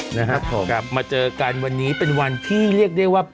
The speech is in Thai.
นะครับผมกลับมาเจอกันวันนี้เป็นวันที่เรียกได้ว่า